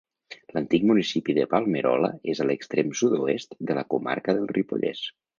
L'antic municipi de Palmerola és a l'extrem sud-oest de la comarca del Ripollès.